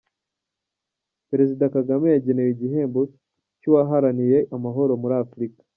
Perezida Kagame yagenewe igihembo cy’uwaharaniye amahoro muri Afurika